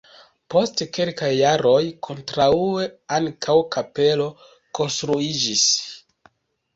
Post kelkaj jaroj kontraŭe ankaŭ kapelo konstruiĝis.